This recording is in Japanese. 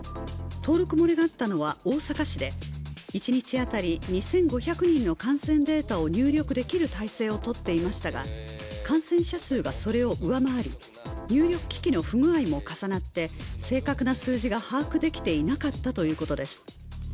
登録漏れがあったのは大阪市で一日当たり２５００人の感染データを入力できる体制をとっていましたが感染者数がそれを上回り、入力機器の不具合も重なって正確な数字が把握できていなかったということです。